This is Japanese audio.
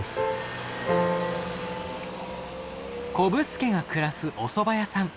こぶすけが暮らすおそば屋さん。